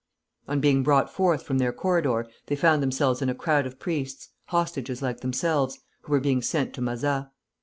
On being brought forth from their corridor, they found themselves in a crowd of priests (hostages like themselves) who were being sent to Mazas.